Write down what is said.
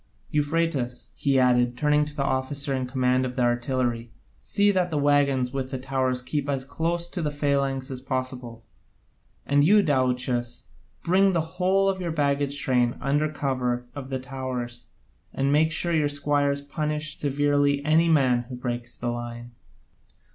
Euphratus," he added, turning to the officer in command of the artillery, "see that the waggons with the towers keep as close to the phalanx as possible. And you, Daouchus, bring up the whole of your baggage train under cover of the towers and make your squires punish severely any man who breaks the line.